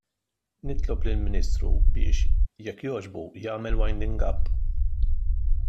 Nitlob lill-Ministru biex, jekk jogħġbu, jagħmel winding up.